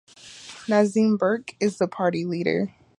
Nazim Burke is the party leader.